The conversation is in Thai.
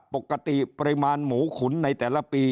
ปกติปริมาณหมูขุนในแต่ละปี